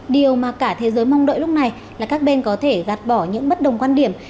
điều mà cả thế giới mong đợi lúc này là các bên có thể gạt bỏ những bất đồng quan điểm